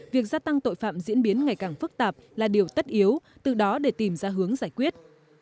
việc gia tăng tội phạm diễn biến ngày càng phức tạp là điều tất yếu từ đó để tìm ra hướng giải quyết